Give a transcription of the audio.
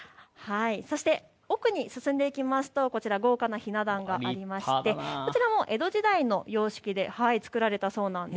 奥に進んでいきますと豪華なひな壇がありましてこちらも江戸時代の様式で作られたそうなんです。